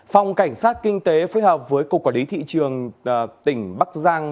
phòng cảnh sát kinh tế phối hợp với cục quản lý thị trường tỉnh bắc giang